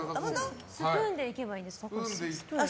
スプーンでいけばいいんですか？